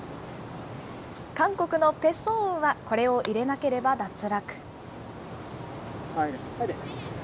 韓国のペ・ソンウはこれを入れなければ脱落。